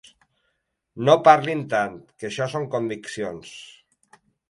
No parlin tant, que això són conviccions.